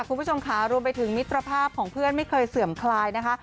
คุณผู้ชมค่ะรวมไปถึงมิตรภาพของเพื่อนไม่เคยเสื่อมคลายนะคะ